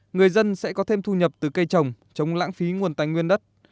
người dân sẽ có thêm thu nhập từ cây trồng chống lãng phí nguồn tài nguyên đất